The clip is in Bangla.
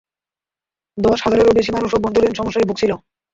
দশ হাজারেরও বেশি মানুষ অভ্যন্তরীণ সমস্যায় ভুগেছিল।